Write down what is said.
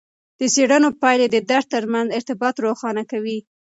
د څیړنو پایلې د درس ترمنځ ارتباطات روښانه کوي.